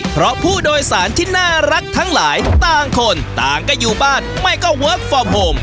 เพราะผู้โดยสารที่น่ารักทั้งหลายต่างคนต่างก็อยู่บ้านไม่ก็เวิร์คฟอร์มโฮม